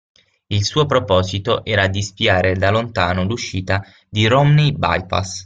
Il suo proposito era di spiare da lontano l'uscita di Romney Bypass.